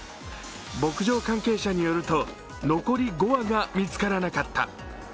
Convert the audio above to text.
牧場関係者によると残り５羽が見つからなかった。